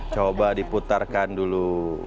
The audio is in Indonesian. coba diputarkan dulu